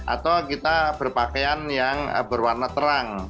atau kita berpakaian yang berwarna terang